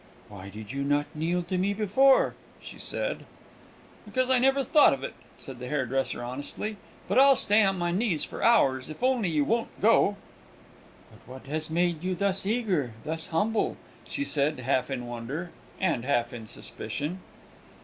"Why did you not kneel to me before?" she said. [Illustration: "WHY DID YOU NOT KNEEL TO ME BEFORE?"] "Because I never thought of it," said the hairdresser, honestly; "but I'll stay on my knees for hours, if only you won't go!" "But what has made you thus eager, thus humble?" she said, half in wonder and half in suspicion.